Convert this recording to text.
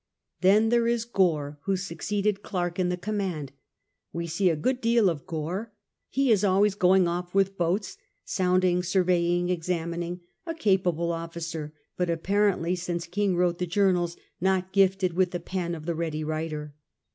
Then there is Gore, who succeeded Clerke in the command ; wo see a good deal of Gore ; he is always going off with boats, sounding, surveying, examining, a aipable officer ; but apparently, since King wrote the journals, not gifted with the pen of the ready writer.